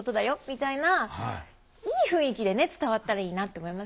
みたいないい雰囲気で伝わったらいいなって思いますよね。